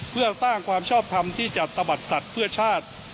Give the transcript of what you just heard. เพื่อสร้างความชอบทำที่จัดตะบัดสัตว์เพื่อชาติ